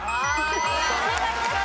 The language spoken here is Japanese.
正解です！